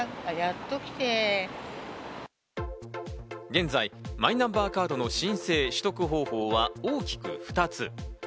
現在、マイナンバーカードの申請・取得方法は大きく２つ。